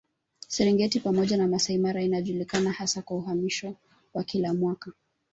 Serengeti pamoja na Masai Mara inajulikana hasa kwa uhamisho wa kila mwaka